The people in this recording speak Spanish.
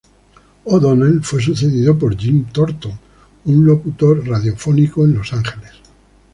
O'Donnell fue sucedido por Jim Thornton, un locutor radiofónico en Los Ángeles.